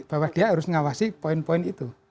bahwa dia harus mengawasi poin poin itu